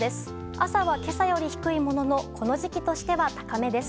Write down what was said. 朝は今朝より低いもののこの時期としては高めです。